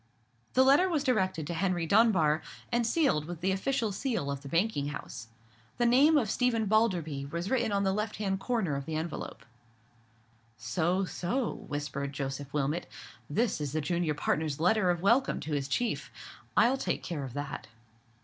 The letter was directed to Henry Dunbar, and sealed with the official seal of the banking house. The name of Stephen Balderby was written on the left hand lower corner of the envelope. "So, so," whispered Joseph Wilmot, "this is the junior partner's letter of welcome to his chief. I'll take care of that."